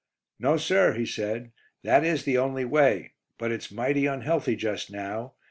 "No, sir," he said, "that is the only way; but it's mighty unhealthy just now.